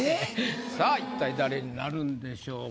さあ一体誰になるんでしょうか。